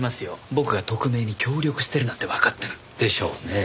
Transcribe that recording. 僕が特命に協力してるなんてわかったら。でしょうねぇ。